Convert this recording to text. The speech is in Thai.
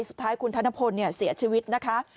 สุดท้ายคุณธนพลเสียชีวิตนะคะ